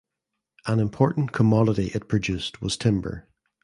An important commodity it produced was timber.